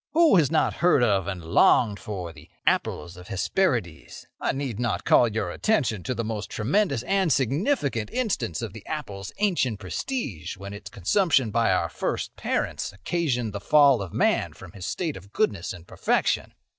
Who has not heard of and longed for the 'apples of the Hesperides'? I need not call your attention to the most tremendous and significant instance of the apple's ancient prestige when its consumption by our first parents occasioned the fall of man from his state of goodness and perfection."